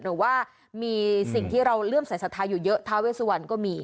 หรือว่ามีสิ่งที่เราเลื่อมสายศรัทธาอยู่เยอะทาเวสวันก็มี